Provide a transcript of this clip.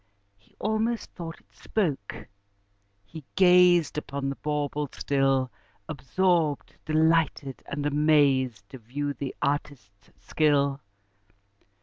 He almost thought it spoke: he gazed Upon the bauble still, Absorbed, delighted, and amazed, To view the artist's skill.